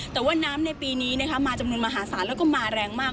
แต่ว่าน้ำในปีนี้มาจำนวนมหาศาลแล้วก็มาแรงมาก